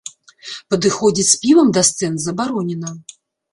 Падыходзіць з півам да сцэн забаронена.